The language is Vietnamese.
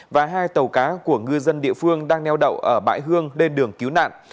và hai tàu cá của ngư dân địa phương đang neo đậu ở bãi hương lên đường cứu nạn